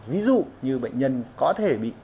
ví dụ như bệnh nhân có thể bị nhiễm khuẩn